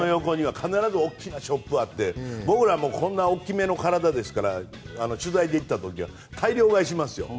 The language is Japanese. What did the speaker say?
球場の横には必ず大きなショップがあって僕なんかこういう大きな体ですから取材に行ったら大量買いしますよ。